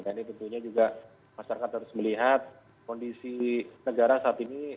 dan ini tentunya juga masyarakat harus melihat kondisi negara saat ini